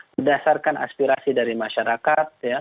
berdasarkan aspirasi dari masyarakat